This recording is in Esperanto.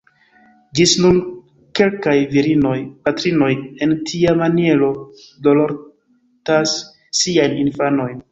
Ĝis nun kelkaj virinoj-patrinoj en tia maniero dorlotas siajn infanojn.